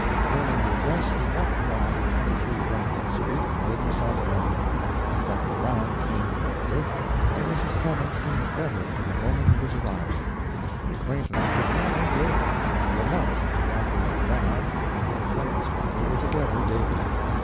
Learning the address, he walked around to 23 Rutland Street, and made himself known. Doctor Brown came forthwith, and Mrs. Clemens seemed better from the moment of his arrival. The acquaintance did not end there. For a month the author of "Rab" and the little Clemens family were together daily.